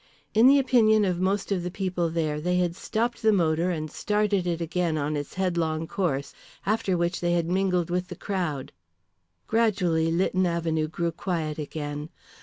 In the opinion of most of the people there they had stopped the motor and started it again on its headlong course, after which they had mingled with the crowd. Gradually Lytton Avenue grew quiet again.